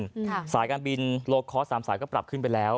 สายการบินโลคอร์สสามสายก็ปรับขึ้นไปแล้ว